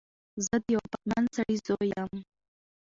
زه د یوه پتمن سړی زوی یم.